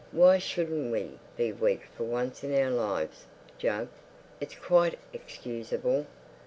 "Why shouldn't we be weak for once in our lives, Jug? It's quite excusable.